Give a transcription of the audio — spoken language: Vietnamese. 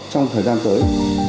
trong thời gian tới